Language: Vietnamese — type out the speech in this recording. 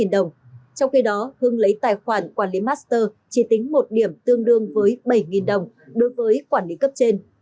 trong khi đó hưng lấy tài khoản quản lý master chỉ tính một điểm tương đương với bảy đồng đối với quản lý cấp trên